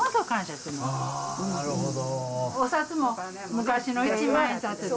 なるほど。